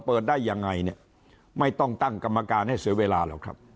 เปิดได้ยังไงเนี่ยไม่ต้องตั้งกรรมการให้เสียเวลาหรอกครับ